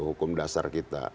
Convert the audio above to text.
hukum dasar kita